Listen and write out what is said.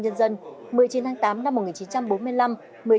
một mươi chín tháng tám năm một nghìn chín trăm bốn mươi năm